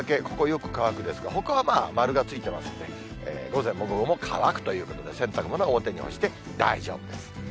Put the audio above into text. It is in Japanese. ここ、よく乾くですが、ほかは丸がついていますので、午前も午後も乾くということで、洗濯物は表に干して大丈夫です。